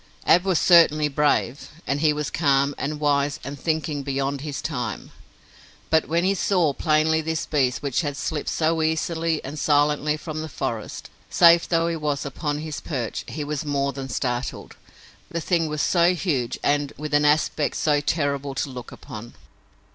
Ab was certainly brave, and he was calm and wise and thinking beyond his time, but when he saw plainly this beast which had slipped so easily and silently from the forest, safe though he was upon his perch, he was more than startled. The thing was so huge and with an aspect so terrible to look upon!